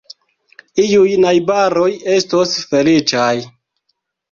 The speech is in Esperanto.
Iuj najbaroj estos feliĉaj.